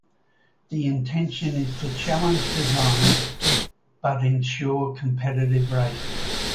The intention is to challenge designers but ensure competitive racing.